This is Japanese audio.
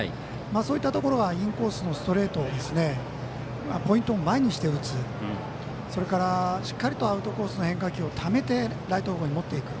そういったところがインコースのストレートポイントを前にして打つしっかりとアウトコースの変化球をためてライト方向に持っていく。